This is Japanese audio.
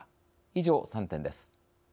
以上、３点です。